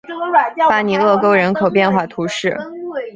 巴尼厄沟人口变化图示